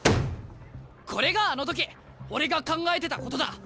これがあの時俺が考えてたことだ。